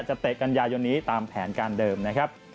เตะกันยายนนี้ตามแผนการเดิมนะครับ